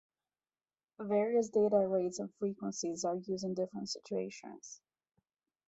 Various data rates and frequencies are used in different situations.